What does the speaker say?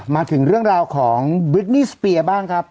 มาถึงเรื่องราวของบริดนี่สเปียบ้างครับ